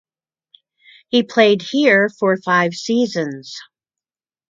He played here for five seasons.